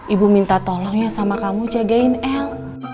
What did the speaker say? ibu minta tolong ya sama kamu jagain el